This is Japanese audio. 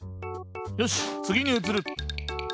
よしつぎにうつる。